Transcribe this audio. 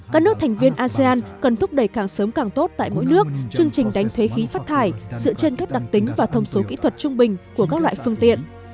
các nước thành viên asean cần thúc đẩy càng sớm càng tốt tại mỗi nước chương trình đánh thế khí phát thải dựa trên các đặc tính và thông số kỹ thuật trung bình của các loại phương tiện